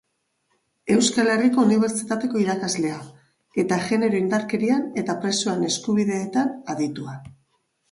Euskal Herriko Unibertsitateko irakaslea, eta genero-indarkerian eta presoen eskubideetan aditua.